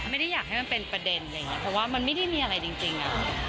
ไม่ได้อยากให้มันเป็นประเด็นอะไรอย่างนี้เพราะว่ามันไม่ได้มีอะไรจริงอะ